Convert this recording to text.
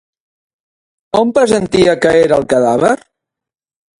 On pressentia que era el cadàver?